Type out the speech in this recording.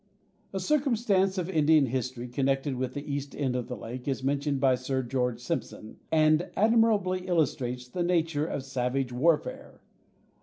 A circumstance of Indian history connected with the east end of the lake is mentioned by Sir George Simpson, and admirably illustrates the nature of savage warfare.